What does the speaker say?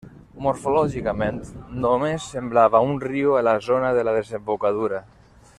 Morfològicament només semblava un riu a la zona de la desembocadura.